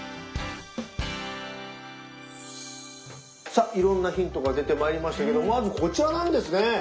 さっいろんなヒントが出てまいりましたけどまずこちらなんですね。